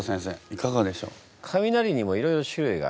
いかがでしょう？